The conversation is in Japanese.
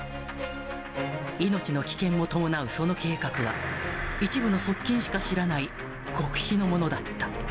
命の危険を伴うその計画は、一部の側近しか知らない極秘のものだった。